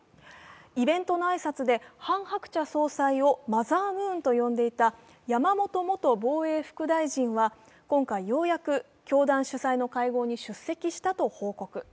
イベントの挨拶でハン・ハクチャ総裁をマザームーンと呼んでいた山本元防衛副大臣は、今回、ようやく教団主催の会合に出席したと報告。